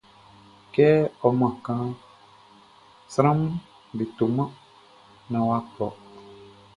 Kɛ ɔ man kanʼn, sranʼm be toman naan wʼa kplɔ.